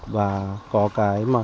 và có cái